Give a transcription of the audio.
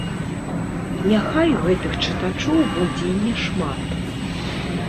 Няхай гэтых чытачоў будзе і няшмат.